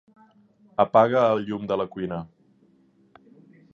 Apaga el llum de la cuina.